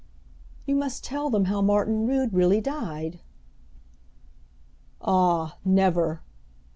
"You must tell them how Martin Rood really died." "Ah, never!"